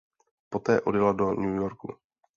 Poté odjela do New Yorku.